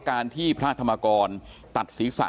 การที่พระธรรมกรตัดศีรษะ